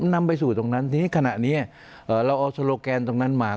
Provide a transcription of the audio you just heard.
นำไปสู่ตรงนั้นทีนี้ขณะนี้เราเอาโซโลแกนตรงนั้นมา